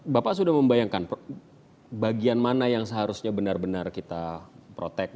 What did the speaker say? bapak sudah membayangkan bagian mana yang seharusnya benar benar kita protect